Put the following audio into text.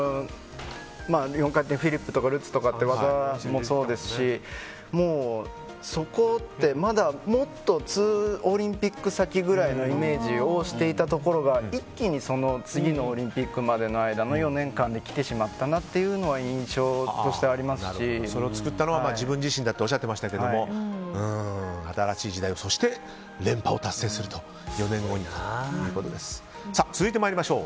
４回転フリップとかルッツっていう技もそうですしそこって、まだもっと２オリンピック先くらいのイメージをしていたところが一気に次のオリンピックまでの間の４年間で来てしまったなそれを作ったのは自分自身だっておっしゃっていましたけども新しい時代にそして連覇を達成すると４年後にということでした。